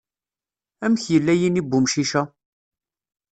Amek yella yini n umcic-a?